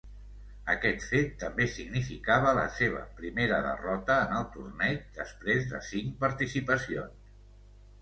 Aquest fet també significava la seva primera derrota en el torneig després de cinc participacions.